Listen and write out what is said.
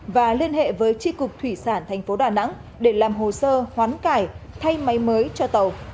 và liên hệ với tri cục thủy sản thành phố đà nẵng để làm hồ sơ hoán cải thay máy mới cho tàu